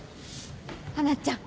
華ちゃん。